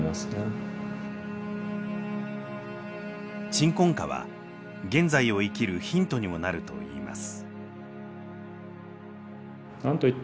「鎮魂歌」は現在を生きるヒントにもなるといいます。